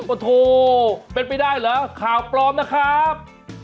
โอ้โหเป็นไปได้เหรอข่าวปลอมนะครับ